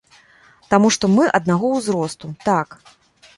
Таму што мы аднаго ўзросту, так.